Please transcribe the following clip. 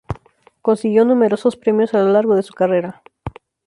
Consiguió numerosos premios a lo largo de su carrera.